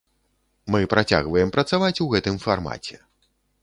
Мы працягваем працаваць у гэтым фармаце.